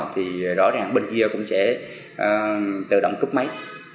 thì rõ ràng bên kia cũng sẽ tự động cúp máy